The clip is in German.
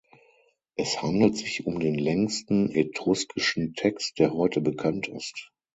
Es handelt sich um den längsten etruskischen Text, der heute bekannt ist.